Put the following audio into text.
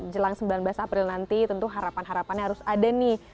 jelang sembilan belas april nanti tentu harapan harapannya harus ada nih